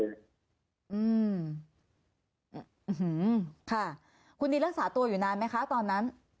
อืมค่ะคุณนินรักษาตัวอยู่นานไหมคะตอนนั้น